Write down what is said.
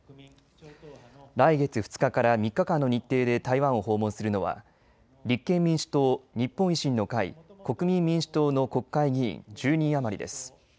来月２日から３日間の日程で台湾を訪問するのは立憲民主党、日本維新の会、国民民主党の国会議員１０人余りです。